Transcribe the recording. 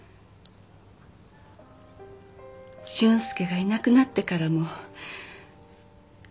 俊介がいなくなってからもずーっと。